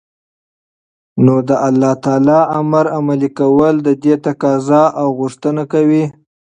نو دالله تعالى امر عملي كول ددې تقاضا او غوښتنه كوي